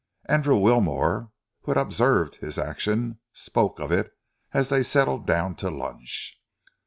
Andrew Wilmore, who had observed his action, spoke of it as they settled down to lunch.